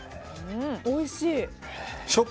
おいしい。